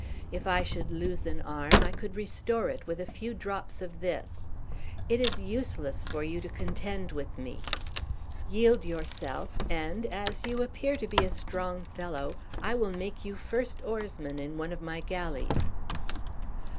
If I should lose an arm I could restore it with a few drops of this. It is useless for you to contend with me. Yield yourself, and, as you appear to be a strong fellow, I will make you first oarsman in one of my galleys."